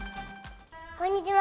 こんにちは。